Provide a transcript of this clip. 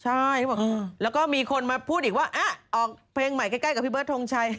ใช่เขาบอกแล้วก็มีคนมาพูดอีกว่าออกเพลงใหม่ใกล้กับพี่เบิร์ดทงชัย